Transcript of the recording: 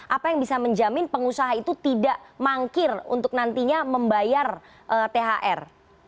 apa yang bisa menjamin pengusaha itu tidak mangkir untuk nantinya membayar thr